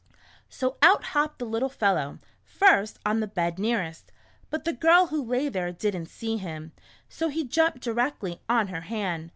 So out hopped the little fellow, first on the bed nearest. But the girl who lay there, did n't see him, so he jumped directly on her hand.